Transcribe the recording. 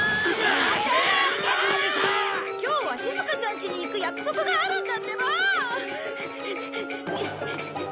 今日はしずかちゃん家に行く約束があるんだってば！